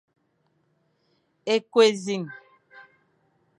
Ékôkh énẑiñ,